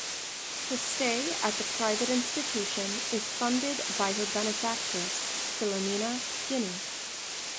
Her stay at the private institution is funded by her benefactress, Philomena Guinea.